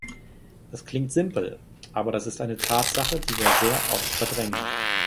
Das klingt simpel, aber das ist eine Tatsache, die wir sehr oft verdrängen.